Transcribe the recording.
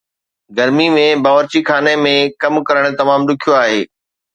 گرمي ۾ باورچی خانه ۾ ڪم ڪرڻ تمام ڏکيو آهي